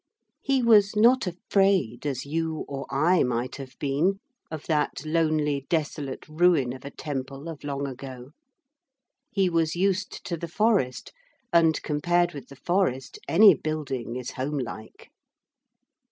He was not afraid, as you or I might have been of that lonely desolate ruin of a temple of long ago. He was used to the forest, and, compared with the forest, any building is homelike.